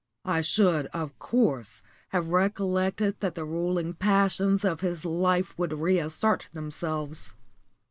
I should, of course, have recollected that the ruling passions of his life would reassert themselves.